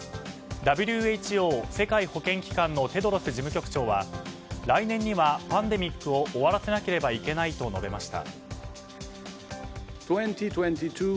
ＷＨＯ・世界保健機関のテドロス事務局長は来年にはパンデミックを終わらせなければいけないと述べました。